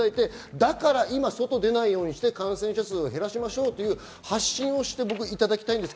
だから今、外に出ないようにして感染者数を減らしましょうという発信をしていただきたいです。